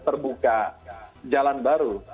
terbuka jalan baru